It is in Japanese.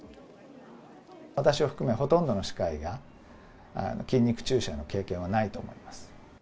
私を含め、ほとんどの歯科医が、筋肉注射の経験はないと思います。